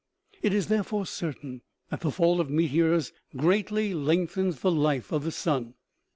It is therefore certain that the fall of meteors greatly lengthens the life of the sun.